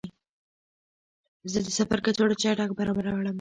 زه د سفر کڅوړه چټکه برابره کړم.